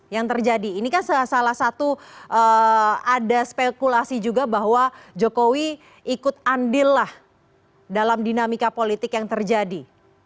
yang terjadi ini kan salah satu ada spekulasi juga bahwa jokowi ikut andil lah dalam dinamika politik yang terjadi